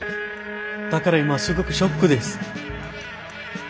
だから今すごくショックです。